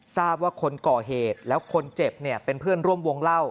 ทราบว่าคนก่อเหตุแล้วคนเจ็บเนี่ยเป็นเพื่อนร่วมวงเล่า